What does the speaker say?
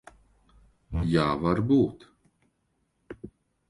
Jā, varbūt.